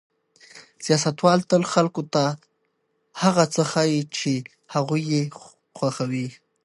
سیاستوال تل خلکو ته هغه څه ښيي چې هغوی یې خوښوي.